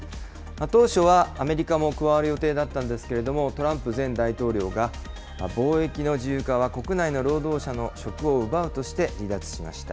当初はアメリカも加わる予定だったんですけれども、トランプ前大統領が貿易の自由化は国内の労働者の職を奪うとして離脱しました。